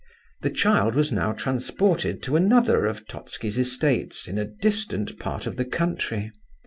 The child was now transported to another of Totski's estates in a distant part of the country.